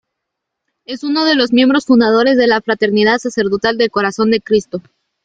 Es uno de los miembros fundadores de la Fraternidad Sacerdotal del Corazón de Cristo.